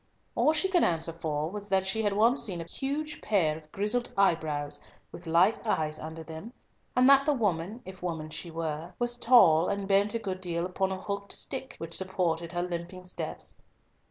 All she could answer for was that she had once seen a huge pair of grizzled eyebrows, with light eyes under them, and that the woman, if woman she were, was tall, and bent a good deal upon a hooked stick, which supported her limping steps.